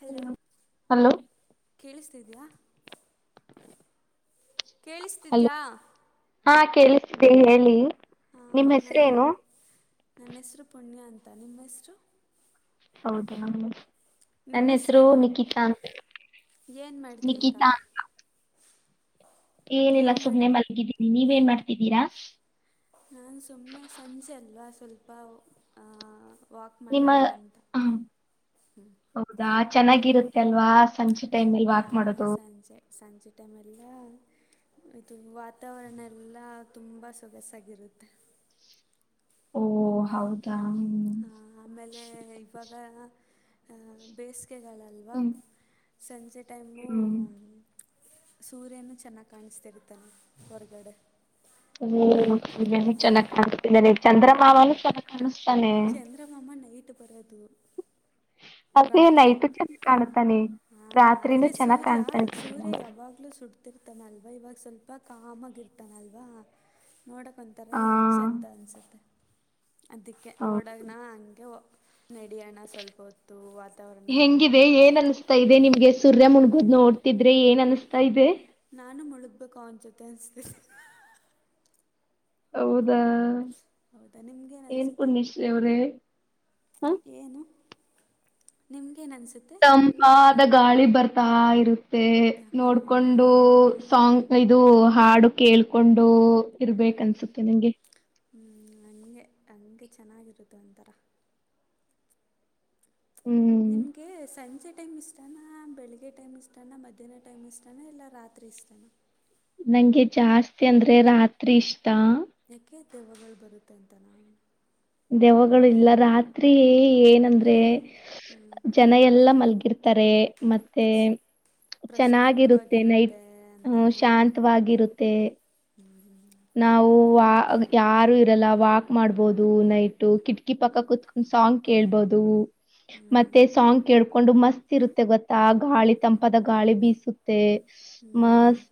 Hello hello ಕೇಳಿಸತ್ತಿದಿಯಾ? [inaudible] Hello ಕೇಳಿಸತ್ತಿದಿಯಾ? [inaudible] ಹಾ ಕೇಳಿಸತ್ತಿದೇ ಹೇಳಿ. [inaudible] ಹಾ ನನ್ನ ಹೆಸರೇನು ನನ್ನ ಹೆಸರು ಪುಣ್ಯ ಅಂತ ನಿಮ್ಮ ಹೆಸರು? [inaudible] [unintelligible] ಹೌದ ನನ್ನ ನಿಮ್ಮ ಹೆಸರು ಹೆಸ್ರೇನು ನಿಕಿತಾ ಅಂತ ಏನು ಮಾಡ್ತಿದ್ದೀರಾ ನಿಕಿತಾ. [inaudible] ಏನಿಲ್ಲ ಏನು ಮಾಡಿ ಸುಮ್ಮನೆ ಮಲಗಿದ್ದೀನಿ ನೀವ್ ಏನ್ ಮಾಡ್ತಿದ್ದೀರಾ? [inaudible] ನಾನು ಸುಮ್ಮನೆ ಸಂಜೆ ಅಲ್ವಾ ಸ್ವಲ್ಪ ವ ಆ [inaudible] ನಿಮ್ಮ ಹ ಹೌದಾ ಚೆನ್ನಾಗಿರುತ್ತೆ ಅಲ್ವಾ ಸಂಜೇ [inaudible] ಹಾ ಹ ಸಂಜೆ ಸಂಜೆ ಟೈಮ ಅಲ್ವಾ? [inaudible] ಇದು ವಾತಾವರಣ ಎಲ್ಲಾ ತುಂಬಾ ಸೊಗಸಾಗಿರುತ್ತೆ. [inaudible] ಓ ಹೌ [inaudible] ದಾ? [inaudible] ಆಮೇಲೆ ಇವಾಗ ಅ ಬೇಸಿಗೆಗಾಲ ಅಲ್ಲ. [inaudible] ವಾವ್ ಸಂಜೆ ಟೈಮು ಹ್ಮ್ ಸೂರ್ಯನು ಚೆನ್ನಾಗ್ ಕಾಣಿಸ್ತಿರ್ತಾನೆ ಹೊರಗಡೆ. [unintelligible] ಚೆನ್ನಾಗ್ ಅದಕ್ಕೆ ಕಾಣಿಸ್ತಿದನೆ ಚಂದ್ರಮಾಮನು ಚೆನ್ನಾಗ್ ಕಾಣಿಸ್ತಾನೆ. ಚಂದ್ರಮಾಮ ನೈಟ್ ಬರೋದು. [unintelligible] ನೈಟ್ ಒಟ್ಟು ಕಾಣತಾನೆ. ಆ ಆದ್ರರೆ ಸೂರ್ಯ ಸೂರ್ಯ ಯಾವಾಗಲೂ ಸುಡ್ [unintelligible] ರ್ತಾನಲ್ವ ಇವಾಗ ಸ್ವಲ್ಪ ಕಾಮಾಗಿರ್ತಾನಲ್ವ. ನೋಡಕ್ ಒಂಥರ ಹಾ ಚಂದ ಅನ್ಸುತ್ತೆ ಅದಕ್ಕೆ ಹೌ ನೋಡಕ್. ನ ಹಂಗೆ [unintelligible] ನಡಿಯನ ಸ್ವಲ್ಪ ಹೊತ್ತು ವಾತಾವರಣ. [unintelligible] ಇದೆ ನಿಮ್ಗೆ ಸೂರ್ಯ ಮುಣಗೋದ್ ನೋಡ್ತಿದ್ರೆ ಏನ್ ಅನಿಸ್ತಾ ಇದೆ. ನಾನು ಮುಳುಗ್ಬೇಕು ಅವನ ಜೊತೆ ಅನ್ನಿಸ್ತಿದೆ. ಹೌದಾ. ಹೌದಾ ನಿಮ್ಗೇನು ಏನ್ ಅನಿಸುತ್ತೆ. [unintelligible] ಹ ಏನು ನಿಮಗೇನ್ ಅನ್ಸುತ್ತೆ. ತಂಪಾದ ಗಾಳಿ ಬರ್ತಾ ಇರುತ್ತೆ ನೋಡ್ಕೊಂಡು ಹಾಂ ಸಾಂಗ್ ಇದು ಹಾಡು ಕೇಳ್ಕೊಂಡು ಇರ್ಬೇಕ ಅನ್ಸುತ್ತೆ ನಂಗೆ. ಹ್ಮ ಹಂಗೆ. ಹಂಗೆ ಚೆನ್ನಾಗಿರುತ್ ಒಂಥರ. ಹ್ಮ್ ನಿಮ್ಗೆ ಸಂಜೆ ಟೈಮ್ ಟನಾ ಬೆಳಗ್ಗೆ ಟೈಮ್ ಇಷ್ಟನ ಮಧ್ಯಾಹ್ನ ಟೈಮ್ ಇಷ್ಟನ ಇಲ್ಲ ರಾತ್ರಿ ಇಷ್ಟನ. ನಂಗೆ ಜಾಸ್ತಿ ಅಂದ್ರೆ ರಾತ್ರಿ ಇಷ್ಟಾ. ಯಾಕೆ ದೆವ್ವಗಳು ಬರುತ್ತೆ ಅಂತನಾ. ದೆವ್ವಗಳು ಇಲ್ಲ ರಾತ್ರಿ ಏನಂದ್ರೆ ಹ್ಞೂ ಜನ ಎಲ್ಲಾ ಮಲ್ಗಿರ್ತಾರೆ ಮತ್ತೆ ಚೆನ್ನಾಗಿರುತ್ತೆ ನೈಟ್ ಪ್ರಶಾಂತವಾಗಿರುತ್ತೆ [unintelligible] ಅಂತನಾ ಶಾಂತವಾಗಿರುತ್ತೆ. [unintelligible] ನಾವು ವಾ ಯಾರು ಇರಲ್ಲ ವಾಕ್ ಮಾಡ್ಬೋದು ನೈಟು ಕಿಟಕಿ ಪಕ್ಕ ಕುತ್ ಸಾಂಗ್ ಕೇಳ್ಬೋದು. ಹ್ಞೂ ಮತ್ತೆ ಸಾಂಗ್ ಕೇಳ್ಕೊಂಡು ಮಸ್ತ್ ಇರುತ್ತೆ ಗೊತ್ತಾ ಆ ಗಾಳಿ ತಂಪಾದ ಗಾಳಿ ಬೀಸುತ್ ತೆ ಮಸ್ತ್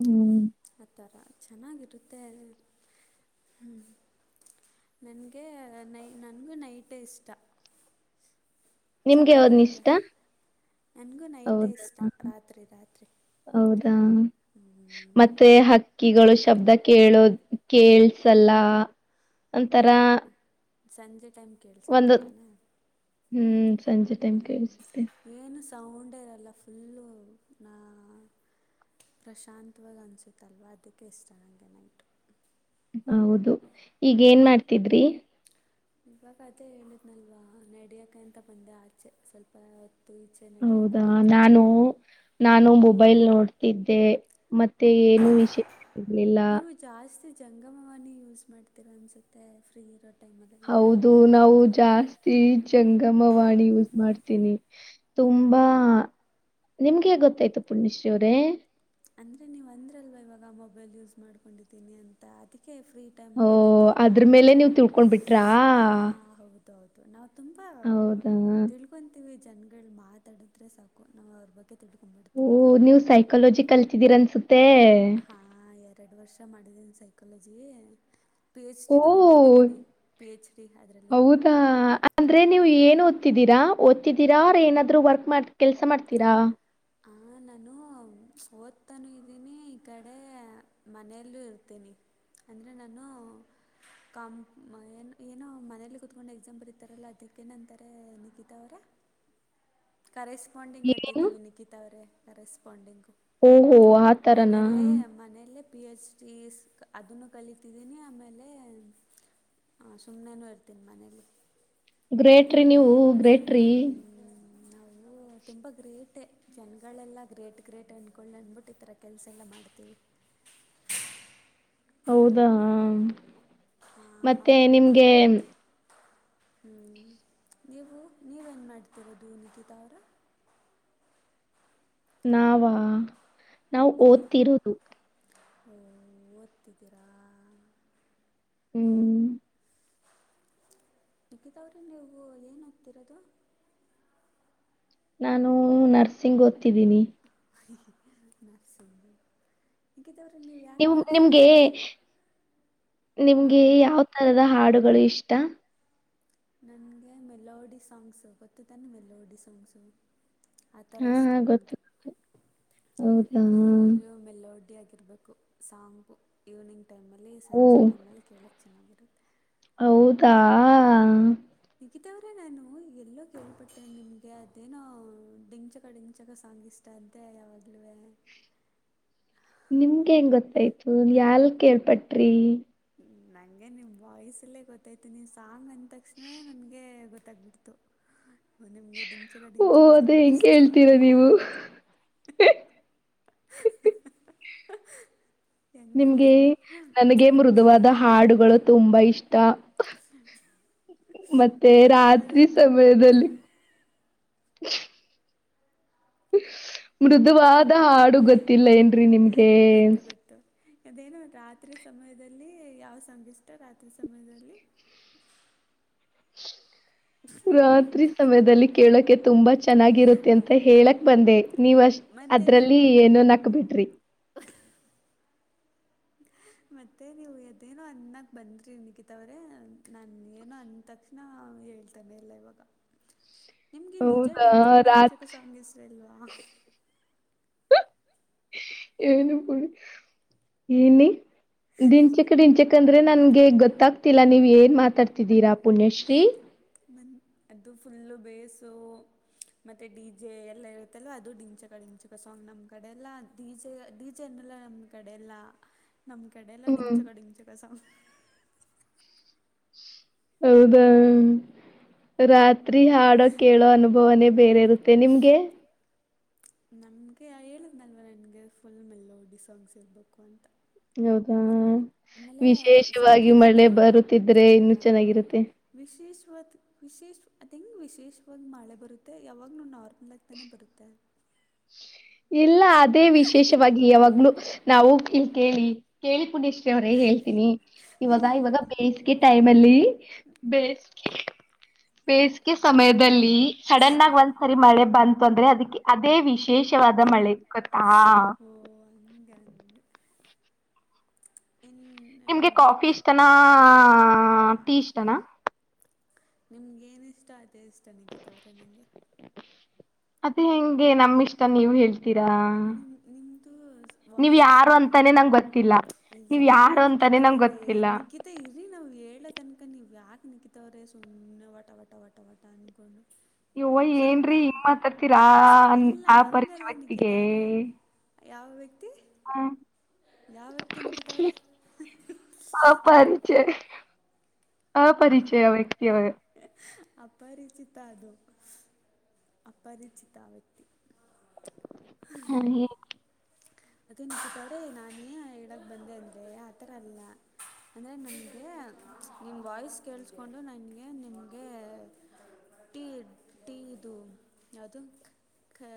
[unintelligible] ಆತರ ಚೆನ್ನಾಗಿರುತ್ತೆ. ಹ್ಮ್ ನಂಗೆ ನೈ ನನಗೂ ನೈಟೇ ಇಷ್ಟ. [inaudible] ಅವನ್ ಚೆನ್ನಾಗಿರುತ್ತೆ ಇಷ್ಟ ನನಗೂ ನೈಟೇ ಹೌದಾ ಇಷ್ಟ ರಾತ್ರಿ ರಾತ್ರಿ. ಹೌದಾ ಮತ್ತೆ ಹಕ್ಕಿಗಳು ಶಬ್ದ ಕೇಳೋ ಕಳ್ಸಲ್ಲ. [unintelligible] ಸಂಜೆ ಟೈಮ್ ಒಂದು ಕೇಳ್ಸುತ್ತೆತಾನೆ ಹ್ಮ್ ಸಂಜೆ ಟೈಮ್ ಹ್ಮ. ಕೇಳಿಸುತ್ತೆ ಏನು ಸೌಂಡೇ ಇರಲ್ಲ ಫುಲ್ಲು ನಾ ಪ್ರಶಾಂತವಾಗಿ ಅನಿಸುತ್ತಲ್ವ ಅದಕ್ಕೆ ಇಷ್ಟ ನನಗೆ ನೈಟು. ಹೌದು ಈಗ ಏನ್ ಮಾಡ್ತಿದ್ರಿ. ಇವಾಗ್ ಅದೆ ಹೇಳಿದ್ನಲ್ವಾ ನಡಿಯಕ ಅಂತ ಬಂದೆ ಆಚೆ ಸ್ವಲ್ಪ ಈಚೆ ನಡೆಯೋಣ ಹೌದಾ ಅಂತ ನಾನು ನಾನು ಮೊಬೈಲ್ ನೋಡ್ ಇದ್ದೆ ಮತ್ತೆ ಏನು ವಿಶೇಷ ಇರ್ಲಿಲ್ಲ. ನೀವು ಜಾಸ್ತಿ ಜಂಗಮವಾಣಿ ಯೂಸ್ ಮಾಡ್ತೀರ ಅನ್ಸುತ್ತೆ ಫ್ರೀ ಟೈಮಲ್ಲೆಲ್ಲ ಹೌದು ಯಾವಾಗ ನಾವು ಜಾಸ್ತ್ ಈ ಜಂಗಮವಾಣಿ ಯೂಸ್ ಮಾಡ್ತೀನಿ ತುಂಬಾ. ನಿಮ್ಗೆ ಹೇಗೆ ಗೊತ್ತಾಯಿತು ಪುಣ್ಯಶ್ರೀ ಅವರೇ. ಅಂದರೆ ನೀವು ಅಂದ್ರಲ್ವ ಇವಾಗ ಮೊಬೈಲ್ ಯೂಸ್ ಮಾಡ್ಕೊಂಡಿದ್ದೀನಿ ಅಂತ ಅದಕ್ಕೆ ಫ್ರೀ ಟೈ ಓ ಇದಿದ್ದಾಗ ಅದ್ರ ಮೇಲೆ ಅಲ್ಲ ನೀವು ತಿಳ್ಕೊಂಡ್ಬಿಟ್ರಾ ಹ ಹೌದು. ಹೌದು ನಾವು ಹೌದಾ ತುಂಬಾದಿ ಕೊಂತೀವಿ ಜನಗಳು ಮಾತಾಡಿದ್ರೆ ಸಾಕು ನಾವು ಅವ್ರ ಬಗ್ಗೆ ತಿಡ್ಕೊಂಬಿಡ್ತೀವಿ ಬೇಗ. ಕಲೋಜಿ ಕಲ್ತಿದ್ದೀರನ್ಸುತ್ತೆ. ಹಾಂ ಎರಡು ವರ್ಷ ಮಾಡಿದ್ದೀನಿ ಸೈಕಾಲಜಿ. ಪಿ ಎಚ್ ಡಿ ಓ ತೊಗೊಂಡ್ಬಿಟ್ಟಿದ್ದೀನಿ ಪಿ ಎಚ್ ಡಿ ಅದರಲ್ಲಿ ಹಾ. [unintelligible] ದ್ದೀರಾ ಓದ್ ತಿದ್ದೀರ ಏನಾದ್ರು ವರ್ಕ್ ಮಾಡ್ ಕೆಲ್ಸ ಮಾಡ್ತೀರಾ. ಹ ನಾನು ಓದ್ತನೂ ಇದ್ದೀನಿ ಈ ಕಡೆ ಮನೆಯಲ್ಲೂ ಇರ್ತೀನಿ. ಅಂದ್ರೆ ನಾನು. ಕಾಂ ಏನು ಏನೋ ಮನೇಲ್ಲಿ ಕುೂತ್ಕೊಂಡು ಎಕ್ಸಾಂ ಬರಿತರಲ್ಲ ಅದಕ್ಕೇ ಏನಂತಾರೆ ನಿಕಿತ ಅವರೇ. [inaudible] ಕರೆಸ್ಪಾಂಡಿಂಗ್ ಏನು ಕಟ್ಟಿದ್ದೀವಿ ನಿಕಿತಾ ಅವ್ರೇ ಕರೆಸ್ಪಾಂಡಿಂಗ್. ಓಹೋ ಆ ತರನಾ ಮನೇಲ್ಲೇ ಮನೇಲ್ಲೇ. ಪಿ ಎಚ್ ಡಿ ಅದನ್ನು ಕಲಿತಿದ್ದೀನಿ ಆಮೇಲೆ. ಹಾ ಸುಮ್ಮನೆನೂ ಇರ್ತೀನಿ ಮನೇಲಿ. ಗ್ರೇಟ್ರೀ ನೀವು ಗ್ರೇಟ್ರೀ. ಹ್ಮ್, ನಾವು. ತುಂಬ ಗ್ರೇಟೇ ಜನಗಳೆಲ್ಲ ಗ್ರೇಟ್ ಗ್ರೇಟ್ ಅಂದ್ಕೊಂಡು ಅಂದ್ಬಿಟ್ಟು ಈ ಥರ ಕೆಲಸ ಎಲ್ಲ ಮಾಡ್ತೀವಿ. ಹೌದಾ ಹಾಂ ಮತ್ತೆ ಹೌದು ನಿಮ್ಗೆ. ಹ್ಞೂ ನೀವು ನೀವೇನು ಮಾಡ್ತಿರೋದು ನಿಕಿತಾ ಅವರೇ. ನಾವ ನಾವು ನಿಖಿ ಓದ್ತಿರೋದು. ಓ ಓದ್ತಿದ್ದೀರಾ ಹ್ಮ್ ನಿಕಿತಾ ಅವ್ರೇ ನೀವು ಏನ್ ಒದ್ತಿರೋದು. ನಾನು ನರ್ಸಿಂಗ್ ಓದ್ತಿದ್ದೀನಿ. ನರ್ಸಿಂಗ್ಗು. ನಿಖಿತಾ ಅವರೇ ನೀವು ಯಾಕ್ ನರ್ಸಿಂಗಸೂಸ್ ಹಾ. ನಿಮ್ಗೆ ಯಾವ ತರದ ಹಾಡುಗಳು ಇಷ್ಟ. ನನಗೆ ಮೆಲೋಡಿ ಸಾಂಗ್ಸು ಗೊತ್ತು ತಾನ ಮೆಲೋಡಿ ಸಾಂಗ್ಸು. ಆ ಥರ ಹಾ ಇಷ್ಟ ಹಾ ಗೊತ್ತು ನನಗೆ. ಹೌದಾ ಫುಲ್ಲು ಮೆಲೋಡಿ ಆಗಿರ್ಬೇಕು. ಸಾಂಗು ಈವ್ನಿಂಗ್ ಟೈಮಲ್ಲಿ ಓ ಸಂಜೆ ಟೈಮಲ್ಲಿ ಕೇಳಕ್ಕೆ ಚೆನ್ನಾಗಿರುತ್ತೆ. ಹೌದಾ ನಿಕಿತವರೇ ನಾನು ಎಲ್ಲೋ ಕೇಳಪಟ್ಟೇ ನಿಮಗೆ ಅದೇನೋ ಡಿಂಗ್ಚಕ ಡಿಂಗ್ಚಕ ಸಾಂಗಿಸ್ [unintelligible] ಅಂತೆ ಯಾವಾಗ್ಲುವೇ. ನಿಮಗೆ ಹೆಂಗ ಗೊತ್ತಾಯ್ತು ಯಲ್ ಕೇಳ್ಪಟ್ರಿ. ನನಗೆ ನಿಮ್ಮ ವಾಯ್ಸಲ್ಲೇ ಗೊತ್ತಾಯ್ತು ನೀವು ಸಾಂಗ್ ಅಂದ ತಕ್ಷಣ ನನಗೆ ಗೊತ್ತಾಗ್ ಬಿಡ್ತು. ನಿಮಗೆ ಡಿಂಗ್ ಓ ಅದೇ ಹೆಂಗೆ ಕೇಳ್ತೀರಾ ನೀವು. [inaudible] ಹೆಂಗೆ ನಿಮ್ಗೆ ಹೇಳ್ತಾರೆ ನನಗೆ ಮೃದುವಾದ ಹಾಡುಗಳು ತುಂಬಾ ಇಷ್ಟ. ಮತ್ತೆ ಮೃದುವಾದ ರಾತ್ರಿ ಅಂದರೆ ಸಮಯದಲ್ಲಿ ಮೃದುವಾದ ಹಾಡು ಗೊತ್ತಿಲ್ಲ ಏನ್ರೀ ನಿಮ್ಗೆ. ಗೊತ್ತು, ಗೊತ್ತು ಅದೇನು ರಾತ್ರಿ ಸಮಯದಲ್ಲಿ ಯಾವ ಸಾಂಗು ಇಷ್ಟ ರಾತ್ರಿ ಸಮಯದಲ್ಲಿ. ರಾತ್ರಿ ಸಮಯದಲ್ಲಿ ಕೇಳೋಕೆ ತುಂಬಾ ಚೆನ್ನಾಗಿರುತ್ತೆ ಓ ಅಂತ ಹೇಳಕ್ ಬಂದೆ. ನೀವ್ ಅಷ್ಟ ಮತ್ತು ಅದ್ರಲ್ಲಿ ನೀವು ಏನೋನ್ ನಕ್ ಬಿಟ್ರಿ. ಮತ್ತೆ ನೀವು ಅದೇನೋ ಅನ್ನಕ್ ಬಂದ್ರಿ ನಿಕಿತಾ ಅವರೇ ನಾನ ಏನೋ ಅಂತಕ್ ನಾ ಹೇಳ್ತೇನೆ ಎಲ್ಲ ಇವಾಗ. ಹ [inaudible] ನಿಮ್ಗೆ ನಿಜಾ ಡಿಂಚಕ-ಡಿಂಚಕ ಸಾಂಗ ಇಷ್ಟ ಇಲ್ವಾ. ನು ಪ ಇನ [unintelligible] ಡಿಂಚಕ್ಕ- ಡಿಂಚಕ ಅಂದ್ರೆ ನನ್ಗೆ ಗೊತ್ತಾಗ್ತಿಲ್ಲ ನೀವು ಏನ್ ಮಾತಾಡ್ತಿದ್ದೀರಾ ಪುಣ್ಯಶ್ರೀ. ಮಂದು [inaudible] ಅದು ಫುಲ್ಲು ಬೇಸು- ಮತ್ತೆ ಡಿ ಜೆ ಎಲ್ಲ ಇರುತ್ತಲ್ ಅದು ಡಿಂಚಕ- ಡಿಂಚಕ ಸಾಂಗ್ ನಮ್ಮ್ ಕಡೆ ಎಲ್ಲ ಡಿ ಜೆ ಡಿ ಜೆ ಅಂದಮೆಲೆ ನಮ- ಕಡೆ ಎಲ್ಲಾ ನಮ್ ಕಡೆ ಎಲ್ಲ ಹ್ಮ್ ಡಿಂಚಕ ಡಿಂಚಕ ಸಾಂಗ್ ಹೌದಾ ರಾತ್ರಿ ಹಾಡೋ ಕೇಳೋ ಅನುಭವನೇ ಬೇರೆ ಇರುತ್ತೆ ನಿಮ್ಗೆ. ನಮಗೆ ಹೇಳಿದ್ಮೇಲ್ವ ನಿಮಗೆ ಫುಲ್ ಮೆಲೋಡಿ ಸಾಂಗ್ಸ್ ಇರಬೇಕು ಅಂತ. ಹೌದಾ? ಆಮೇಲೆ ಸ್ವಲ್ ವಿಶೇಷವಾಗಿ ಮಳೆ ಏನಾದ್ರು ಆ ಬರುತ್ತಿದ್ರೆ ಇನ್ನು ಚೆನ್ನಾಗಿರುತ್ತೆ. ವಿಶೇಷವಾದ ವಿಶೇಷ ಅದು ಹೆಂಗೆ ವಿಶೇಷವಾಗಿ ಮಳೆ ಬರುತ್ತೆ. ಯಾವಾಗಲೂ ನಾರ್ಮಲ್ ಆಗ್ತಾನೆ ಬರುತ್ತೆ. ಇಲ್ಲ ಅದೇ ವಿಶೇಷವಾಗಿ ಯಾವಾಗ್ಲು ನಾವು ಇಲ್ಲಿ ಕೇಳಿ ಕೇಳಿ ಪುಣ್ಯಶ್ರೀ ಅವರೇ ಹೇಳ್ತೀನಿ ಇವಾಗ ಇವಾಗ ಬೇಯಿಸಿದ ಈಟೈಮ್ ಅಲ್ಲಿ ಬೆಸ್ಟ್ ಬೆಸ್ಗೆ ಸಮಯದಲ್ಲಿ ಸಡನ್ ಆಗಿ ಒಂದ್ಸರಿ ಮಳೆ ಬಂತು ಅಂದ್ರೆ ಅದಕ್ಕೆ ಅದೇ ವಿಶೇಷ- ವಾದ ಮಳೆ ಗೊತ್ತಾ ಓ ಹಂಗೆ ಅಂದು ಇನ್ನು ನಿಮ್ಗೆ ಕಾಫಿ ಬೇಕೆ ಇಷ್ಟನಾ,,,, ಟೀ ಇಷ್ಟನಾ ನಿಮ್ಗೇನ ಇಷ್ಟ ಅದೆೇ ಇಷ್ಟ ನಿಕಿತಾವ್ರೆ ನನಗೆ. ಅದೇ ಹೆಂಗೆ ನಮಿಷ್ಟ ನೀವ ಹೇಳ್ತೀರಾ ನಿಮ್ ನಿಮ್ಮದು ನೀವ್ ವಾಯ್ಸ್ ಯಾರು ಕೇಳಿಬಿಟ್ಟು ಅಂತಾನೆ ನಂಗ ಗೊತ್ತಿಲ್ಲ, ನೀವ್ ಯಾರು ಅಂತಾನೆ ನಂಗ ಗೊತ್ತಿಲ್ಲ. ಮತ್ತೆ ಇರಿ ನಾವು ಹೇಳ ತನಕ ನೀವು ಯಾಕೆ ನಿಕ್ಕಿತವ್ರೆ ಸುಮ್ಮನೆ ಒಟ ವಟ ಒಟ ವಟ ಅಂದಕೊಂಡು. ಯವ್ವಾಏನ್ರೀ ಹಿಂಗ್ ಮಾತಡ್ತೀರಾ ಅನ್ ಇಲ್ಲ ಆ ಪರಿಚಯ ಹಂಗಲ್ಲ ವ್ಯಕ್ತಿಗೆ ನಿಖಿತ ಅವರೇ [unintelligible] ಯಾವ ವ್ಯಕ್ತಿ? ಹ ಯಾವ ವ್ಯಕ್ತಿ ನಿಕಿತಾ ಅವ್ರೆ. ಅ ಪರಿಚಯ, ಅಪರಿಚಯ ವ್ಯಕ್ತಿ -ಅಪರಿಚಿತ ಅದು. ಅಪರಿಚಿತ ವ್ಯಕ್ತಿ. ಅದೇ ನಿಕಿತಾ ಅವ್ರೆ ನಾನ್ ಏನ್ ಹೇಳಕ್ ಬಂದೆ ಅಂದ್ರೆ ಆ ಥರ ಅಲ್ಲಾ. ಅಂದರೆ ನನಗೆ ನಿಮ್ಮ ವಾಯ್ಸ್ ಕೇಳಿಸಕೊಂಡು ನನಗೆ ನಿಮ್ [unintelligible] ಹಾಗೇ ಟೀ ಟೀದು ಯಾವ್ದು. ಕ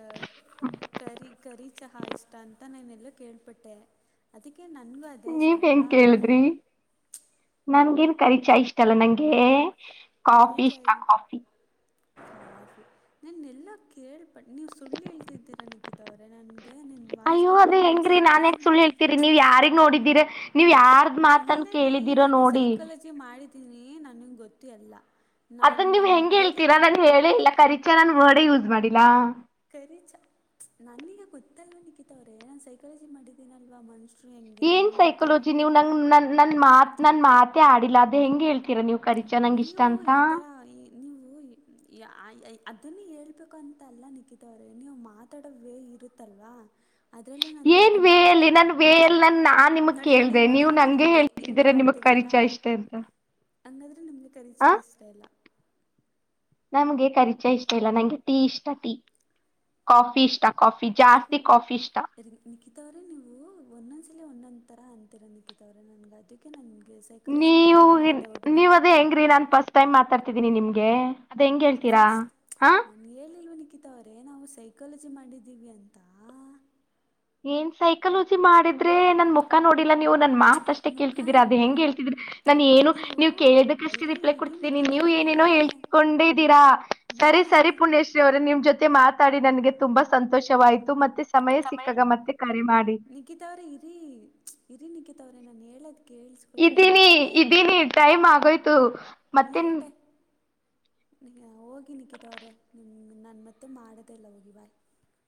ಕರಿ ಕರಿ ಚಹಾ ಇಷ್ಟ ನಾನೇಲೂ ಕೇಳ್ಪಟ್ಟೆ ಅದಕ್ಕೆ ನನ್ಗೂ ಅ ನೀವ್ ಹೆಂಗ ಕೇಳಿದ್ರಿ, ನನ್ಗೇನ್ ಕರಿ ಚಾಯ್ ಇಷ್ಟ ಇಲ್ಲ ನಂಗೆ. ಕರಿ ಕಾಫಿ ಇಷ್ಟ ಚಾಯ್ನ್. [unintelligible] ನನ್ನ ಎಲ್ಲ ಕೇಳ್ಪಟೆ ನೀವು ಸುಳ್ಳು ಹೇಳ್ತಿದ್ದೀರಾ ನಿಖಿತ ಅವ್ರೆ ನನ್ಗೆ ನಿನ್ ಅಯ್ಯೋ ಅದೀ ಹೆಂಗ್ರೀ ನಾನ್ಯಕ್ ಸುಳ್ಳು ಹೇಳ್ತೀರಿ ನೀವ್ ಯಾರಿಗ್ ನೋಡಿದೀರ ನೀವ್ ಯಾರ್ ಇಲ್ಲರೀ ನಾನು ಸೈಕಾಲಜಿ ಮಾಡಿದ್ದೀನಿ ನನಗೆ ಗೊತು ಎಲ್ಲ. ನಾನು ಅದನ್ ನೀವ್ ನಾನು ಹೆಂಗ್ ಹೇಳ್ತೀರಾ ಹೇಳಿದ್ದು ನಾನ್ ಹೇಳೇ ಇಲ್ಲ ಕರಿಚಾ ನಾನ್ ವರ್ಡೇ ಯೂಸ್ ಮಾಡಿಲ್ಲಾ. ಖರೀಚ ನನಿಗೆ ಗೊತ್ತಲ್ವ ನಿಕ್ಕಿತವ್ರೆ ಏ ನನ್ ಸೈಕಾಲಜಿ ಮಾಡಿದ್ದೀನಲ್ವಾ ಮನ್ಷ [unintelligible] ರು ಹೆಂಗೆ ಏನ್ ಎಂತವ್ರು. ಸೈಕಾಲಜಿ ನೀವು ನನ್ ನನ್ ಮಾತ್ ನನ್ ಮಾತೆ ಆಡಿಲ್ಲ ಅದ ಹೆಂಗ ಹೇಳ್ತೀರ ನೀವು. ಕರಿಚಾ ನಂಗ ಇಷ್ಟ ನೀವು ಅಂತ ಈ ತರ ಈ. ನೀವು ಅದನ್ನ ಹೇಳ್ಬೇಕಂತ ಅಲ್ಲ ನಿಕ್ಕಿತವ್ರೇ ನೀವು ಮಾತಾಡೋವೇ ಇರು [unintelligible] ತ್ತಲ್ವಾ. ಅದ್ರಲ್ಲೇ ನಾನು ಏನ್ ತಿಳ್ಕೊಂಡ್ ವೇ ಅಲ್ಲಿ ಬಿಟ್ಟಿರ್ತೀನಿ ನನ್ ವೇ ಅಲ್ಲಿ ನನ್ ನಾನ್ ನಿಮಗ್ ನಡಿ ನಡಿ ಕೇಳ್ದೆ ನಡಿ ನೀವು ನಡಿ ನಂಗೆ ಹಿಂಗೆ. ಹಿಂಗೆ ಹೇಳ್ತಿದ್ದೀರ ನಿಮಗ್ ಮಾಡ್ತೀರಲ್ಲ ಕರಿಚಾ ಇಷ್ಟ ಅಂತ ಹಂಗಾದ್ರೆ ನಿಮ್ಗೆ ಖರೀಚ ಆ ಇಷ್ಟ ಇಲ್ಲ. ನಮ್ಗೆ ಕರಿಚಾ ಇಷ್ಟ ಇಲ್ಲ ನಂಗೆ ಟೀ ಇಷ್ಟ ಟೀ ಕಾಫಿ ಇಷ್ಟ. ಕಾಫಿ ಜಾಸ್ತಿ ಕಾಫಿ ಇಷ್ಟ. ನಿಕಿತ ಅವ್ರೇ ನೀವು ಒಂದೊಂದ್ ಸಲಿ ಒಂದೊಂದ ತರ ಅಂತಿರ ನಿಕಿತ ಅವ್ರೆ ನನ್ಗೆ ಅದಕ್ಕೆ ನನ್ಗೆ ನೀವು ನೀವ ಅದೇ ಹೆಂಗ್ರಿ ನನ್ಪಸ್ ಟೈಮ್ ಮಾತಾಡ್ತಿದೀನಿ ನಿಮ್ಗೆ ಅದ ಹೆಂಗ್ ಹೇಳ್ತೀರಾ ಫಸ್ಟ್ ಹಾ. ಹೇಳಿಲ್ವ ನಿಖಿತ ಅವರೇ ನಾವು ಸೈಕಾಲಜಿ ಮಾಡಿದ್ದೀವಿ ಅಂತ. ಏನ್ ಸೈಕಲಜಿ ಮಾಡಿದ್ರೆ ನನ್ ಮುಖ ನೋಡಿಲ್ಲ ನೀವು ನನ್ ಮಾ ಅಷ್ಟೇ ಮುಖ ಕೇಳ್ತಿದೀರಿ ಅದ ಮು ಹೆಂಗೆ ಹೇಳ್ತೀದೀರ ನಾನ್ ಏನು ನೀವು ನೀವ್ ಕೇಳದಕ್ಷ್ಟೇ ಇರಿ ರಿಪ್ಲೈ ಇರಿ ಕೊಡ್ತಿದೀನಿ ನಿಖಿತಾ ನೀವು ಅವರೇ ಏನೇನೋ ಹೇ ಕೊಂಡಿದ್ದೀರಾ ಸರಿ ನಾನು ಸರಿ ಅಂದೆ ಪುಣ್ಯಶ್ [unintelligible] ರೇ ನಿಮ್ ಜೊತೆ ಮಾತಾಡಿ ನನ್ಗೆ ತುಂಬಾ ಸಂತೋಷವಾಯ್ತು ಮತ್ತೆ ಸಮಯ ಸಿಕ್ಕಾಗ ಮತ್ತೆ ಕರೆ ಮಾಡಿ. ನಿಖಿತವ್ರೆ ಇರಿ ಇರಿ ನಿಕಿತಾವ್ರೆ ನಾನು ಹೇಳದ್ ಕೇಳಿಸ್ ಇದೀನಿ ಇದೀನಿ ಟೈಮ್ ಆಗೋಯ್ತು ಮತ್ತೇನ್ ಏನ್ಟೆ [unintelligible] ಹೋಗಿ ನಿಕ್ಕಿತ ಅವ್ರ ನಾನು ಮತ್ತೆ ಮಾಡೋದಲ್ಲ ಹೋಗಿ ಬಾಯ್.